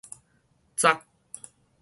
鑿